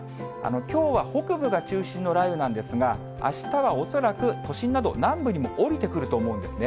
きょうは北部が中心の雷雨なんですが、あしたは恐らく、都心など、南部にも降りてくると思うんですね。